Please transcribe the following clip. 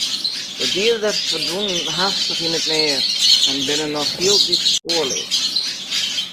De dieders ferdwûnen hastich yn it neat en binne noch hieltyd spoarleas.